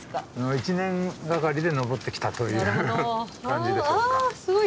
１年がかりで上ってきたという感じでしょうか。